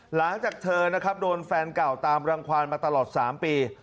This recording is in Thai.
หลังจากเธอนะครับโดนแฟนเก่าตามรังความมาตลอด๓ปี